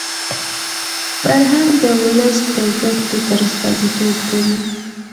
فرهنګ د ولس د ګډ فکر استازیتوب کوي.